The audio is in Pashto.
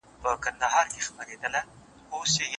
د نسترن څڼو کي